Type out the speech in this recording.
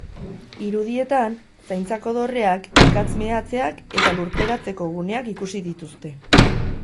Irudietan, zaintzako dorreak, ikatz-meatzeak eta lurperatzeko guneak ikusi dituzte.